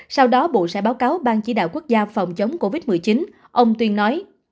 sau đó bộ sẽ báo cáo ban chỉ đạo quốc gia phòng chống covid một mươi chín ông tuyên nói